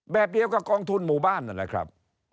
แบบเดียวกับกองทุนหมู่บ้านนั่นแหละครับ